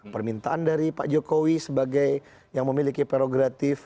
permintaan dari pak jokowi sebagai yang memiliki prerogatif